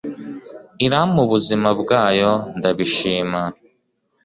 irampa ubuzima bwayo, ndabishima